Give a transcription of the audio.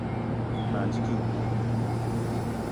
Ma ndigui wou.